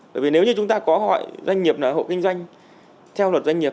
bởi vì nếu như chúng ta có hỏi doanh nghiệp là hộ kinh doanh theo luật doanh nghiệp